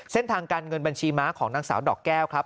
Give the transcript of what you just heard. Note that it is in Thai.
เส้นทางการเงินบัญชีม้าของนางสาวดอกแก้วครับ